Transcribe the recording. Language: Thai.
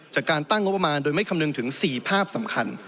จากการตั้งงบประมาณโดยไม่คำนึงถึง๔ภาพสำคัญ